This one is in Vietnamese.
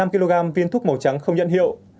hai năm kg viên thuốc màu trắng không nhận hiệu